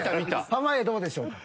濱家どうでしょうか？